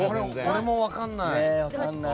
俺も分かんない。